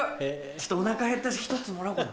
ちょっとお腹へったし１つもらおうかな。